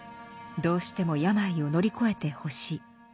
どうしても病を乗り越えてほしい。